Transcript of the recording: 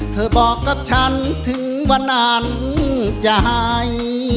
เธอบอกกับฉันถึงวันนั้นจะหาย